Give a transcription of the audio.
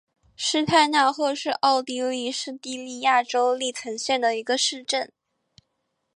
施泰纳赫是奥地利施蒂利亚州利岑县的一个市镇。